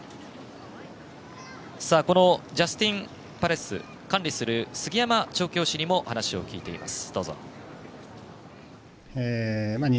ジャスティンパレス管理する杉山調教師にも話を聞いています。